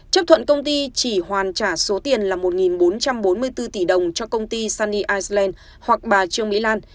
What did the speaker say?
chấp thuận công ty chỉ hoàn trả số tiền là một bốn trăm bốn mươi bốn tỷ đồng cho công ty sunny iceland hoặc bà trương mỹ lan